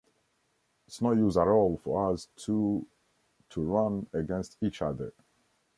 It's no use at all for us two to run against each other.